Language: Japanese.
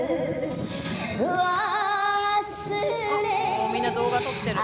おみんな動画撮ってる。